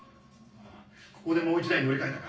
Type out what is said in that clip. ここでもう１台に乗り換えたか。